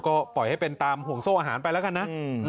ก็ปล่อยให้เป็นตามห่วงโซ่อาหารไปแล้วกันนะ